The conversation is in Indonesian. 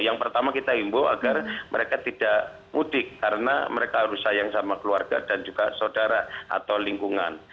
yang pertama kita himbo agar mereka tidak mudik karena mereka harus sayang sama keluarga dan juga saudara atau lingkungan